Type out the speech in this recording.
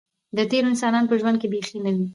د تېرو انسانانو په ژوند کې بیخي نه وې.